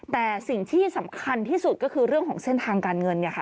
แต่สิ่งที่สำคัญที่สุดก็คือเรื่องของเส้นทางการเงินเนี่ยค่ะ